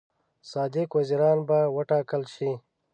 صادق وزیران به وټاکل شي.